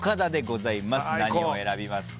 何を選びますか？